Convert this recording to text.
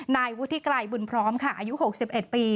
นายวุฒิไกรบุญพร้อมค่ะอายุ๖๑ปี